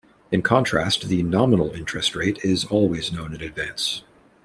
In contrast, the nominal interest rate is always known in advance.